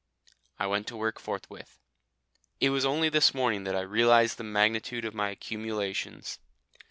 I went to work forthwith. It was only this morning that I realised the magnitude of my accumulations.